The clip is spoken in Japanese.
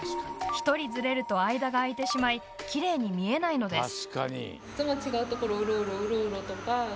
１人ずれると間が空いてしまいきれいに見えないのです。